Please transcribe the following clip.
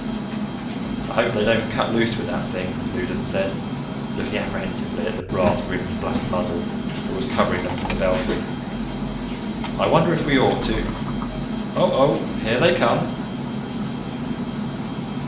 "I hope they don't cut loose with that thing," Loudons said, looking apprehensively at the brass rimmed black muzzle that was covering them from the belfry. "I wonder if we ought to Oh oh, here they come!"